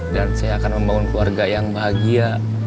dan saya akan membangun keluarga yang bahagia